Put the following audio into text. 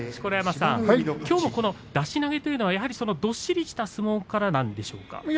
錣山さん、きょうの出し投げというのは、やはりどっしりした相撲からなんでしょうか。